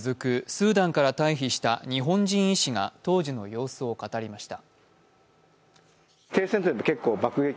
スーダンから退避した日本人医師が、当時の様子を語りました。